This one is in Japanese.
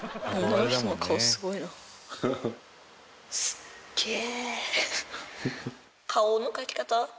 すっげえ！